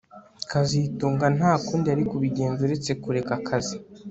kazitunga nta kundi yari kubigenza uretse kureka akazi